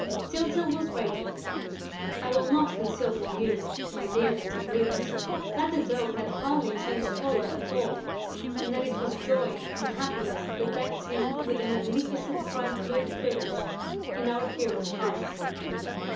Tyltyl was radiant. I will not conceal from you, my dear little readers, that the Dove had hardly changed colour at all and that it was joy and happiness that decked him with a magnificent bright blue plumage in our hero's eyes.